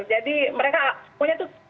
jadi mereka pokoknya tuh